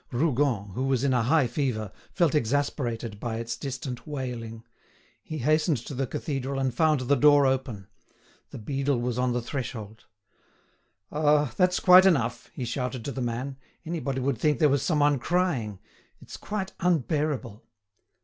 Rougon, who was in a high fever, felt exasperated by its distant wailing. He hastened to the cathedral, and found the door open. The beadle was on the threshold. "Ah! that's quite enough!" he shouted to the man; "anybody would think there was some one crying; it's quite unbearable."